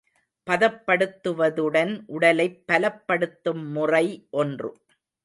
பதப்படுத்துவதுடன் உடலைப் பலப்படுத்தும் முறை ஒன்று.